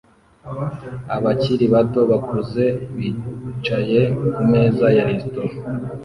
Abakiri bato bakuze bicaye kumeza ya resitora